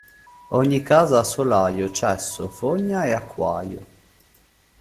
Ogni casa ha solaio, cesso, fogna e acquaio.